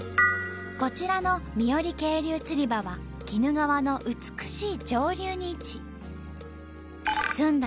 こちらの三依渓流つり場は鬼怒川の美しい上流に位置。